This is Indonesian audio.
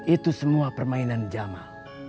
itu semua permainan jamal